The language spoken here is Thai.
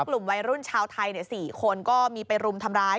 กลุ่มวัยรุ่นชาวไทย๔คนก็มีไปรุมทำร้าย